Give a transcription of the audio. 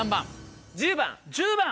１０番。